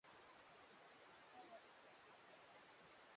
Ndio picha ya Obama na Bush wakiwa